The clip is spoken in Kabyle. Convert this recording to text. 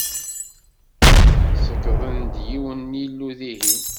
Ṣeyyden-d yiwen n yilu dihin.